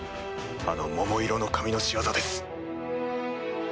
あの桃色の髪の仕業です。